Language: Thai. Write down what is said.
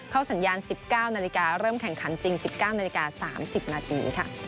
สัญญาณ๑๙นาฬิกาเริ่มแข่งขันจริง๑๙นาฬิกา๓๐นาที